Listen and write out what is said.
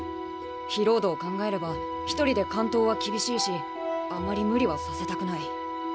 疲労度を考えれば１人で完投は厳しいしあまり無理はさせたくない。